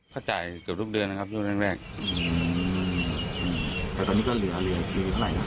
ถ้าจ่ายเกือบทุกเดือนนะครับช่วงแรกแรกอืมแต่ตอนนี้ก็เหลือเหลือคือเท่าไหร่ครับ